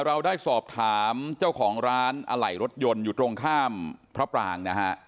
เราได้สอบถามเจ้าของร้านอะไหล่รถยนต์อยู่ตรงข้ามพระปรางนะฮะ